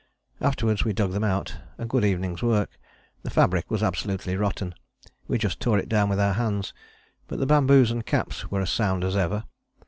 Afterwards we dug them out, a good evening's work. The fabric was absolutely rotten, we just tore it down with our hands, but the bamboos and caps were as sound as ever.